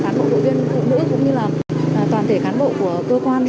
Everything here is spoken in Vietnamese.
cũng như là toàn thể cán bộ của cơ quan cũng như là toàn thể cán bộ của cơ quan